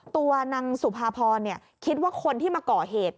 ตัวนางสุภาพรเนี่ยคิดว่าคนที่มาเกาะเหตุ